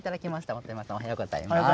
本山さん、おはようございます。